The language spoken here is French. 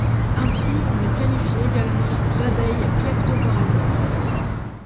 Ainsi on les qualifie également d’abeilles cleptoparasites.